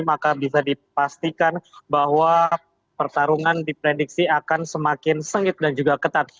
maka bisa dipastikan bahwa pertarungan diprediksi akan semakin sengit dan juga ketat